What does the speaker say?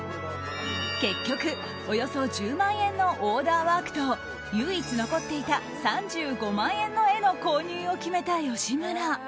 結局、およそ１０万円のオーダーワークと唯一残っていた３５万円の絵の購入を決めた吉村。